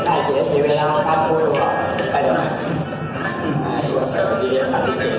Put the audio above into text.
เพราะที่ทั้งสัมภาษณ์มีอายุสัมภาษณีย์กลับ